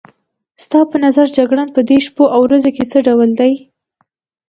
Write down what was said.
ستا په نظر جګړن په دې شپو او ورځو کې څه ډول دی؟